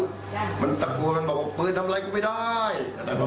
เอายิงปืนคูย่ีบอกให้ยุดไอะนี้เรียนเสียงปืน